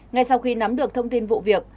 ngay sau khi nắm được thông tin vụ việc